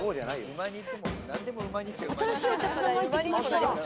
新しいお客さんが入ってきました。